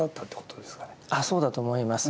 あそうだと思います。